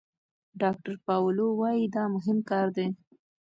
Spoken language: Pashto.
ډاکتر پاولو وايي دا مهم کار دی.